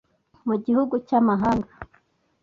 mu gihugu cy’amahanga